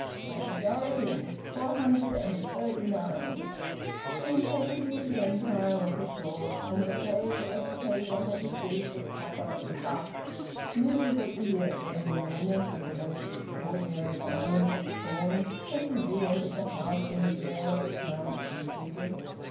"What majority?" "Four hundred and thirty nine." The integrity of the empire was assured, and the paid agitator had received a proper rebuff. "Miserable idiots!" Edwin murmured, with the most extraordinary violence of scorn, as he re entered the house, and the blare of triumph receded.